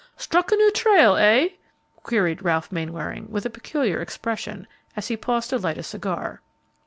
"Struck a new trail, eh?" queried Ralph Mainwaring, with a peculiar expression, as he paused to light a cigar.